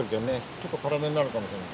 ちょっと辛めになるかもしれない。